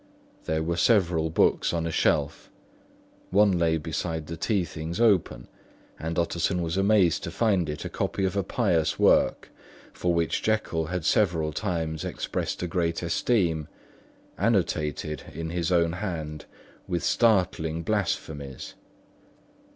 There were several books on a shelf; one lay beside the tea things open, and Utterson was amazed to find it a copy of a pious work, for which Jekyll had several times expressed a great esteem, annotated, in his own hand with startling blasphemies.